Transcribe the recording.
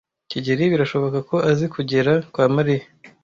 kigeli birashoboka ko azi kugera kwa Mariya.